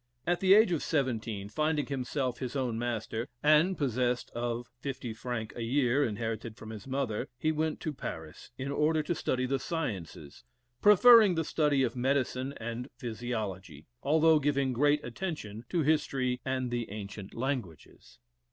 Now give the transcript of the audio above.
At the age of seventeen, finding himself his own master, and possessed of £50 a year, inherited from his mother, he went to Paris, in order to study the sciences, preferring the study of medicine and physiology, although giving great attention to history and the ancient languages.